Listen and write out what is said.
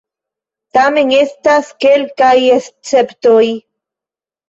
Tamen, estas kelkaj esceptoj.